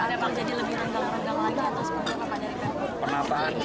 mau diarepang jadi lebih rendah rendah lagi atau seperti apa